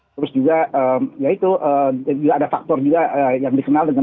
terus juga ya itu ada faktor juga yang disenangkan